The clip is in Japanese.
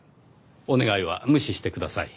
お願いは無視してください。